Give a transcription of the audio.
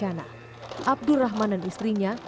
ini suami istri ya